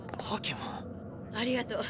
ありがとう。